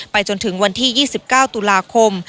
จนถึงวันที่๒๙ตุลาคม